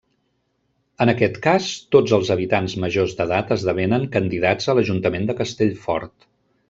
En aquest cas, tots els habitants majors d'edat esdevenen candidats a l'ajuntament de Castellfort.